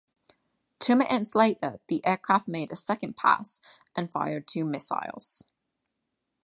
Two minutes later, the aircraft made a second pass and fired two missiles.